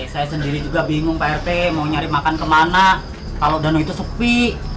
saya sendiri juga bingung pak rt mau nyari makan kemana kalau danau itu sepi